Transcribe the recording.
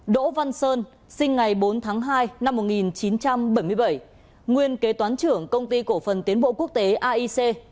bốn đỗ văn sơn sinh ngày bốn tháng hai năm một nghìn chín trăm bảy mươi bảy nguyên kế toán trưởng công ty cổ phần tiến bộ quốc tế aic